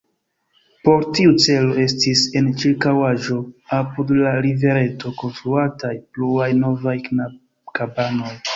Por tiu celo estis en ĉirkaŭaĵo, apud la rivereto, konstruataj pluaj novaj kabanoj.